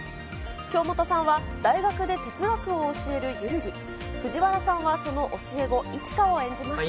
京本さんは大学で哲学を教えるゆるぎ、藤原さんはその教え子、一花を演じます。